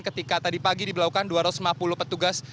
ketika tadi pagi diberlakukan dua ratus lima puluh petugas